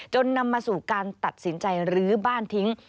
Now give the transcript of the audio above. นำมาสู่การตัดสินใจรื้อบ้านทิ้ง